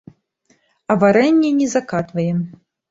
А варэнне не закатваем.